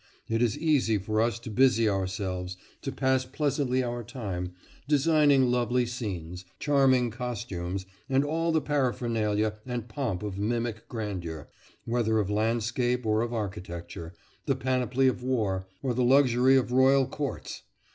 It is easy for us to busy ourselves, to pass pleasantly our time, designing lovely scenes, charming costumes, and all the paraphernalia and pomp of mimic grandeur, whether of landscape or of architecture, the panoply of war, or the luxury of royal courts.